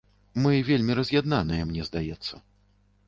Мы вельмі раз'яднаныя, мне здаецца.